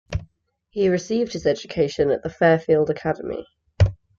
He received his education at the Fairfield Academy.